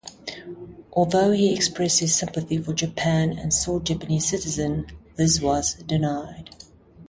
Although he expressed his sympathy for Japan and sought Japanese citizenship, this was denied.